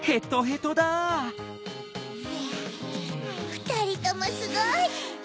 ふたりともすごい！